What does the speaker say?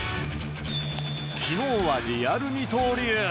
きのうはリアル二刀流。